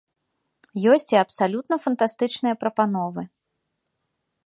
Ёсць і абсалютна фантастычныя прапановы.